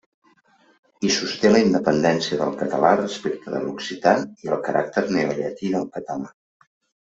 Hi sosté la independència del català respecte de l’occità i el caràcter neollatí del català.